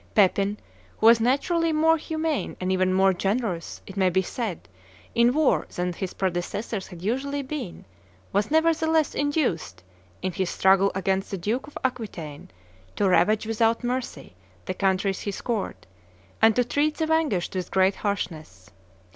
Pepin, who was naturally more humane and even more generous, it may be said, in war than his predecessors had usually been, was nevertheless induced, in his struggle against the Duke of Aquitaine, to ravage without mercy the countries he scoured, and to treat the vanquished with great harshness.